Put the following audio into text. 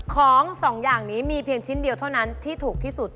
ของสองอย่างนี้มีเพียงชิ้นเดียวเท่านั้นที่ถูกที่สุด